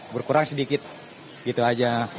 berkurang sedikit gitu aja